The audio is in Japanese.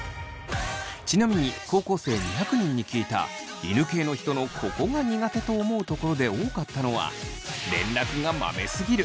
ちなみに高校生２００人に聞いた犬系の人のここが苦手と思うところで多かったのは。